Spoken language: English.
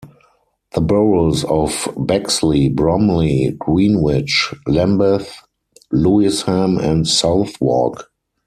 The boroughs of Bexley, Bromley, Greenwich, Lambeth, Lewisham and Southwark.